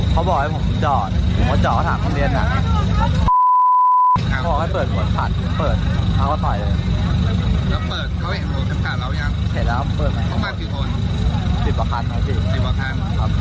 ประมาณ๑๐คนปล่อยแล้วมีปลาระเบิดมีอะไรไหม